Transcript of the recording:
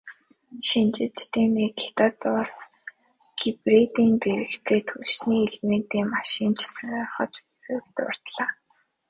Шинжээчдийн нэг "Хятад улс гибридийн зэрэгцээ түлшний элементийн машин ч сонирхож буй"-г дурдлаа.